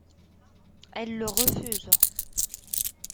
Elle le refuse.